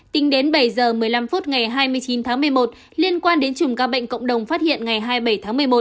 tính đến bảy giờ một mươi năm phút ngày hai mươi chín tháng một mươi một liên quan đến chùm ca bệnh cộng đồng phát hiện ngày hai mươi bảy tháng một mươi một